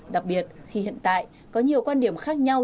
đặc biệt khi hiện tại có nhiều quan điểm khác nhau